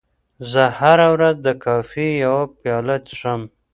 زه هره ورځ د کافي یوه پیاله څښم.